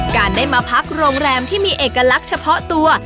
การได้มาพักโรงแรมที่มีเอกลักษณ์เฉพาะตัว